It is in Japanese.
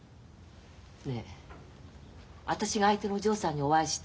ねえ私が相手のお嬢さんにお会いして話してみようか？